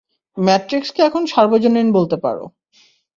ম্যাট্রিক্সকে এখন সার্বজনীন বলতে পারো!